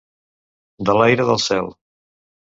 De l'aire del cel.